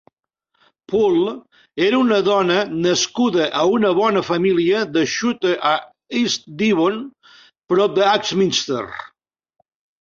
Poole era una dona nascuda a una bonda família de Shute a East Devon, prop d"Axminster.